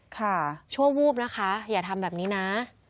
ชั่ววูบนะคะอย่าทำแบบนี้นะ